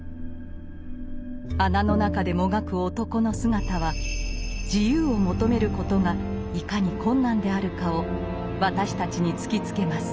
穴の中でもがく男の姿は「自由」を求めることがいかに困難であるかを私たちに突きつけます。